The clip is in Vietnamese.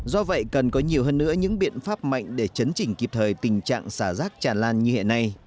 do vậy cần có nhiều hơn nữa những biện pháp mạnh để chấn chỉnh kịp thời tình trạng xả rác tràn lan như hiện nay